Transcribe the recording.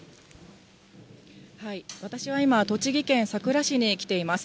私は今、栃木県さくら市に来ています。